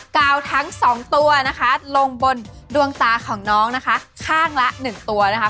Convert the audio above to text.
กาวทั้งสองตัวนะคะลงบนดวงตาของน้องนะคะข้างละ๑ตัวนะคะ